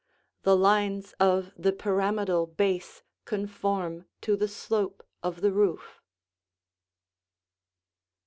The lines of the pyramidal base conform to the slope of the roof.